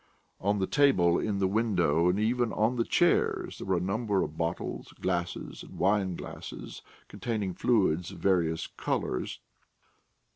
On the table, in the window, and even on the chairs, there were a number of bottles, glasses, and wineglasses containing fluids of various colours.